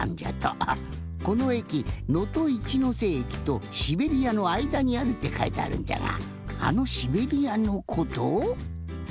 この駅のといちのせ駅とシベリアのあいだにあるってかいてあるんじゃがあのシベリアのこと？